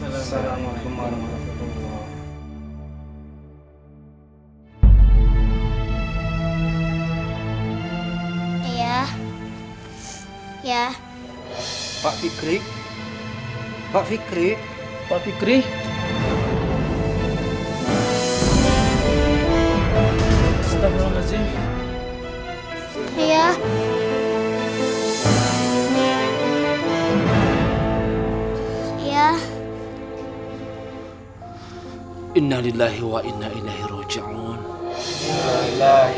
assalamualaikum warahmatullahi wabarakatuh